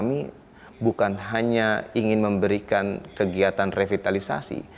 ingin memberikan kegiatan revitalisasi